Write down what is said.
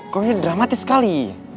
kok ini dramatis sekali